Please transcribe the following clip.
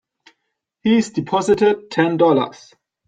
He's deposited Ten Dollars.